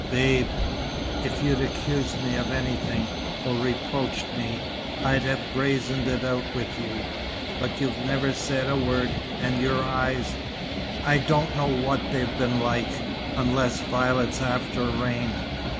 Babe, if you'd accused me of anything, or reproached me, I'd have brazened it out with you. But you've never said a word, and your eyes I don't know what they've been like, unless violets after rain.